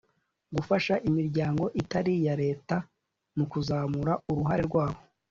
gufasha imiryango itari iya leta mu kuzamura uruhare rwabo